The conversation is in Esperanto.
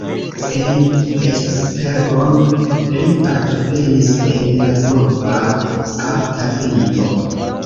En Esztergom li partoprenis en la urba arta vivo.